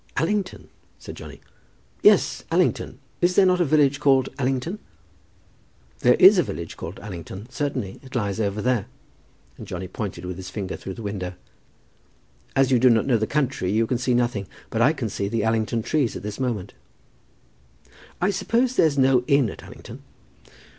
"Allington!" said Johnny. "Yes, Allington. Is there not a village called Allington?" "There is a village called Allington, certainly. It lies over there." And Johnny pointed with his finger through the window. "As you do not know the country you can see nothing, but I can see the Allington trees at this moment." "I suppose there is no inn at Allington?"